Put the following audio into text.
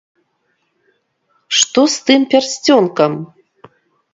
Што з тым пярсцёнкам?